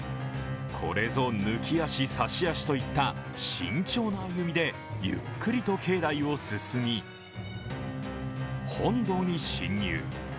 これぞ抜き足差し足といった慎重な歩みでゆっくりと境内を進み、本堂に侵入。